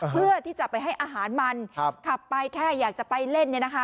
เพื่อที่จะไปให้อาหารมันขับไปแค่อยากจะไปเล่น